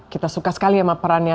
kita suka sekali sama perannya